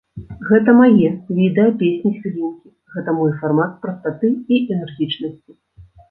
Гэта мае відэа-песні-хвілінкі, гэта мой фармат прастаты і энергічнасці.